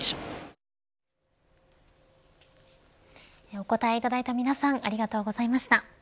お答えいただいた皆さんありがとうございました。